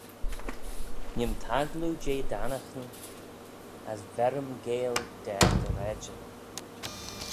Nee'm taggloo jeh dt'annaghyn: as ver-ym geill da dty raaidyn.